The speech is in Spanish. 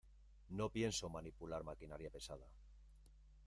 no pienso manipular maquinaria pesada.